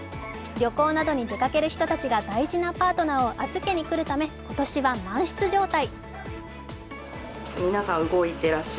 旅行などに出かける人たちが大事なパートナーを預けに来るため今年は満室状態。